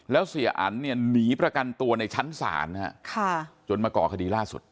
แล้วเสียอันเนี่ยหนีประกันตัวในชั้นศาลจนมาก่อคดีล่าสุด